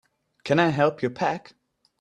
Can I help you pack?